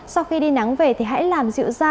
sau khi đi nắng về thì hãy làm dịu da